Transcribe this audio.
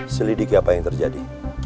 selidiki apa yang terjadi